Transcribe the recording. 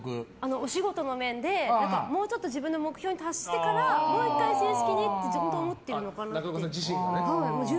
お仕事の面で、もうちょっと自分の目標に達してからもう１回、正式にって自分で思ってるのかなって。